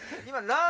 今。